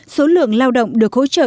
số lượng lao động được hỗ trợ